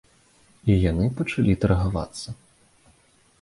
І яны пачалі таргавацца.